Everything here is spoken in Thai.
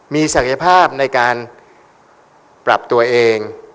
มีศักยภาพในการปรับตัวเอง